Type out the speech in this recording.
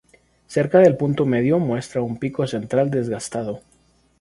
Cerca del punto medio muestra un pico central desgastado.